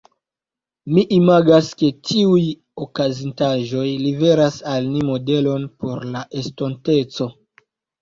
Mi imagas ke tiuj okazintaĵoj liveras al ni modelon por la estonteco.